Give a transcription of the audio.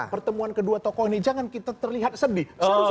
pertemuan kedua tokoh ini jangan kita terlihat sedih